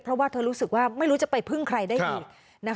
เพราะว่าเธอรู้สึกว่าไม่รู้จะไปพึ่งใครได้อีก